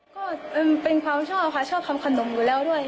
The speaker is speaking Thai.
ก็เป็นความชอบค่ะชอบทำขนมอยู่แล้วด้วย